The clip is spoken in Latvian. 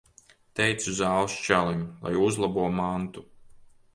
Teicu zāles čalim, lai uzlabo mantu.